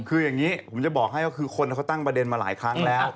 คืออย่างนี้ผมจะบอกให้ก็คือคนเขาตั้งประเด็นมาหลายครั้งแล้ว